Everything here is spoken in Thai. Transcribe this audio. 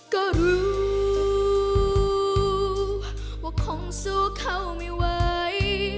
ก็รู้ว่าคงสู้เข้าไม่ไหว